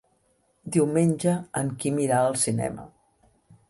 Diumenge en Quim irà al cinema.